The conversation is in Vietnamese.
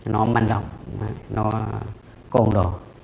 nó manh động nó cồn đổ